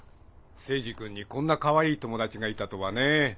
聖司君にこんなかわいい友達がいたとはねぇ。